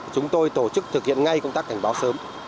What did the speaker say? chúng tôi tổ chức thực hiện ngay công tác cảnh báo sớm